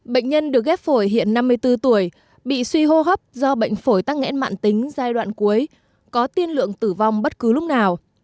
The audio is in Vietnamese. bệnh nhân được ghép phổi hiện năm mươi bốn tuổi bị suy hô hấp do bệnh phổi tắc nghẽn mạng tính giai đoạn cuối có tiên lượng tử vong bất cứ lúc nào